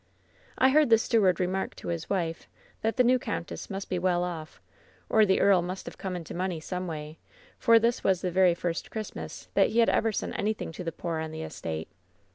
"I heard the steward remark to his wife that the new countess must be well off, or the earl must have come into money some way, for this was the very first Christ mas that he had ever sent anything to the poor on the estate.